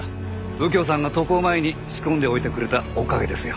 右京さんが渡航前に仕込んでおいてくれたおかげですよ。